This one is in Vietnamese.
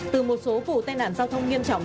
từ một số vụ tai nạn giao thông nghiêm trọng